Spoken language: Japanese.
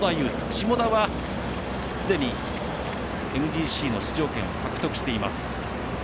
下田はすでにＭＧＣの出場権を獲得しています。